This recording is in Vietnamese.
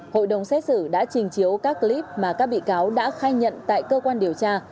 hội đồng xét xử đã trình chiếu các clip mà các bị cáo đã khai nhận tại cơ quan điều tra